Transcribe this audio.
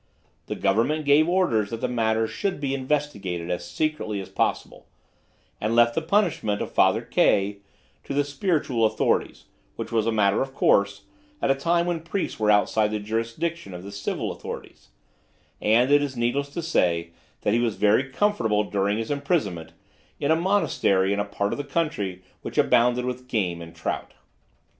The Government gave orders that the matter should be investigated as secretly as possible, and left the punishment of Father K to the spiritual authorities, which was a matter of course, at a time when priests were outside the jurisdiction of the Civil Authorities; and it is needless to say that he was very comfortable during his imprisonment, in a monastery in a part of the country which abounded with game and trout.